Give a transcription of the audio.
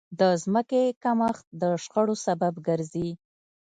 د ځمکې کمښت د شخړو سبب ګرځي.